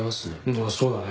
ああそうだね。